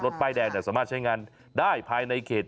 ป้ายแดงสามารถใช้งานได้ภายในเขต